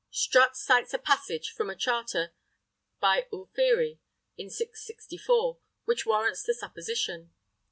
Strutt cites a passage from a charter by Ulfere, in 664, which warrants the supposition.